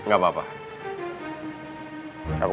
mereka gak akan biarin kamu tenangin kamu